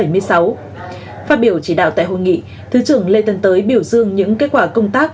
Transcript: phát biểu chỉ đạo tại hội nghị thứ trưởng lê tân tới biểu dương những kết quả công tác